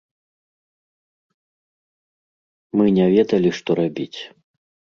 Мы не ведалі што рабіць.